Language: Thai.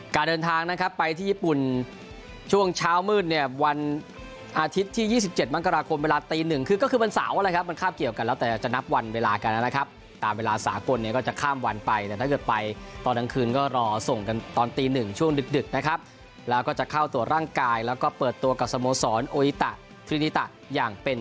การเดินทางนะครับไปที่ญี่ปุ่นช่วงเช้ามืดเนี่ยวันอาทิตย์ที่๒๗มกราคมเวลาตีหนึ่งคือก็คือวันเสาร์นะครับมันคาบเกี่ยวกันแล้วแต่จะนับวันเวลากันนะครับตามเวลาสากลเนี่ยก็จะข้ามวันไปแต่ถ้าเกิดไปตอนกลางคืนก็รอส่งกันตอนตีหนึ่งช่วงดึกนะครับแล้วก็จะเข้าตรวจร่างกายแล้วก็เปิดตัวกับสโมสรโออิตะทรินิตะอย่างเป็น